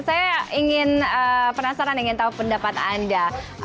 mas andrea terakhir saya ingin penasaran ingin tahu pendapat anda